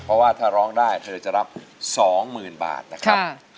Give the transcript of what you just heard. เพราะว่าถ้าร้องได้เธอจะรับ๒๐๐๐บาทนะครับ